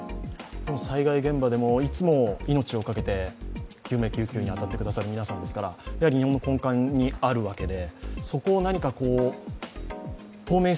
災害現場でもいつも命を懸けて救命救急に当たってくださる皆さんですから日本の根幹にあるわけで。